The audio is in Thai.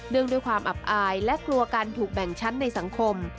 ด้วยความอับอายและกลัวการถูกแบ่งชั้นในสังคม